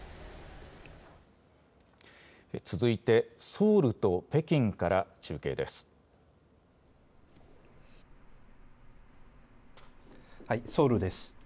続いてソウルと北京から中継ソウルです。